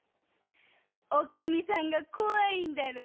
おかみさんが怖いんだろう？